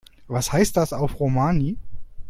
Was heißt das auf Romani?